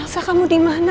tidak ada apa apa